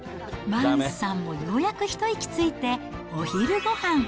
マンスさんもようやく一息ついてお昼ごはん。